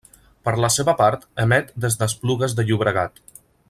Per la seva part, emet des d'Esplugues de Llobregat.